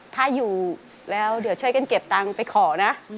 ถ้าอยู่แล้วเดี๋ยวช่วยกันเก็บตังค์ไปขอนะ